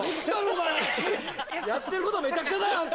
やってることめちゃくちゃだよあんた！